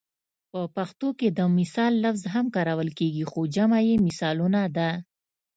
په پښتو کې د مثال لفظ هم کارول کیږي خو جمع یې مثالونه ده